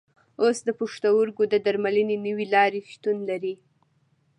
اوس د پښتورګو د درملنې نوې لارې شتون لري.